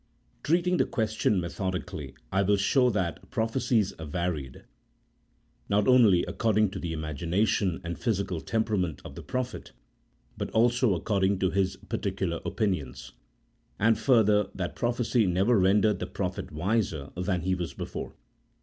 Treating the question methodically, I will show that pro phecies varied, not only according to the imagination and physical temperament of the prophet, but also according to his particular opinions ; and further that prophecy never rendered the prophet wiser than he was before.